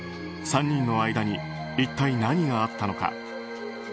３人の間に一体何があったのか。